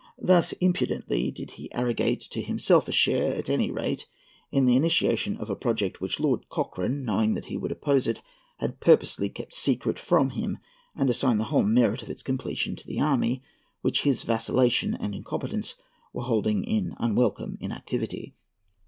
Thus impudently did he arrogate to himself a share, at any rate, in the initiation of a project which Lord Cochrane, knowing that he would oppose it, had purposely kept secret from him, and assign the whole merit of its completion to the army which his vacillation and incompetence were holding in unwelcome inactivity.